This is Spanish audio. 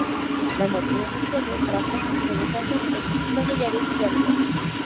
La muerte de Michele trajo mucha desazón entre sus familiares y amigos.